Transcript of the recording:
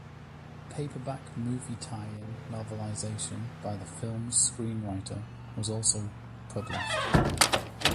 A paperback movie tie-in novelization by the film's screenwriter was also published.